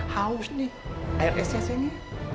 haus nih air esnya sini